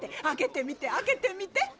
開けてみて開けてみて。